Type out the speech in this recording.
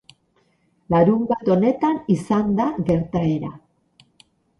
Larunbat honetan izan da gertaera.